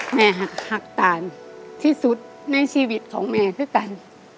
แม่หักตานที่สุดในชีวิตของแม่ที่ตาน